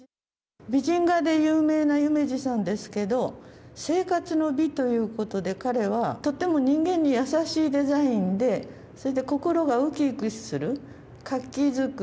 美人画で有名な夢路さんですけど生活の美ということで彼はとても人間にやさしいデザインでそれで心がうきうきする活気づく。